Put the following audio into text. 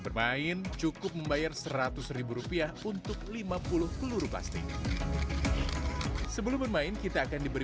bermain cukup membayar seratus ribu rupiah untuk lima puluh peluru plastik sebelum bermain kita akan diberi